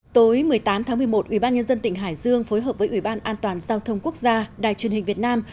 tối một mươi tám tháng một mươi một ubnd tỉnh hải dương phối hợp với ubnd giao thông quốc gia đài truyền hình việt nam